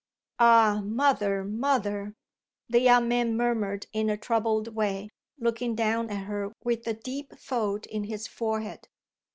"Ah mother, mother!" the young man murmured in a troubled way, looking down at her with a deep fold in his forehead.